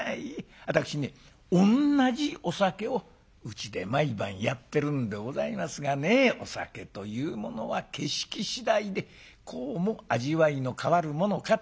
私ね同じお酒をうちで毎晩やってるんでございますがねお酒というものは景色次第でこうも味わいの変わるものかと。